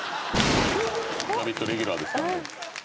「『ラヴィット！』レギュラーですからね」